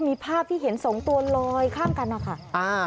มีภาพที่เห็นสองตัวลอยข้ามกันนะคะ